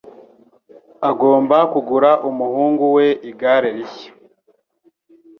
Agomba kugura umuhungu we igare rishya.